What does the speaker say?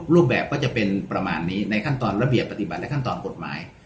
รูปแบบก็จะเป็นประมาณนี้ในขั้นตอนระเบียบปฏิบัติและขั้นตอนกฎหมาย